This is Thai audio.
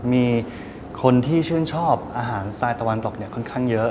มีคนที่ชื่นชอบอาหารสไตล์ตะวันตกค่อนข้างเยอะ